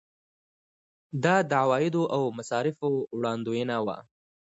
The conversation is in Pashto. دا د عوایدو او مصارفو وړاندوینه وه.